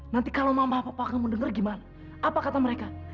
nanti kalau mama papa akan mendengar gimana apa kata mereka